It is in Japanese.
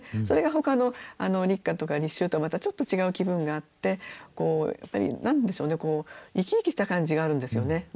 それがほかの立夏とか立秋とはまたちょっと違う気分があってこうやっぱり何でしょうね生き生きした感じがあるんですよね。